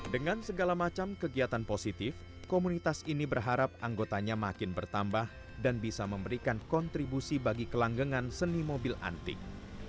dengan segala macam kegiatan positif komunitas ini berharap anggotanya makin bertambah dan bisa memberikan kontribusi bagi kelanggangan seni mobil antik